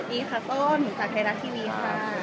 สวัสดีค่ะต้นจากเทราะห์ทีวีค่ะ